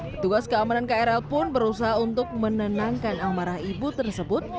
petugas keamanan krl pun berusaha untuk menenangkan amarah ibu tersebut